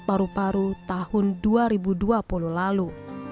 ini adalah hal yang terjadi pada tahun dua ribu dua puluh lalu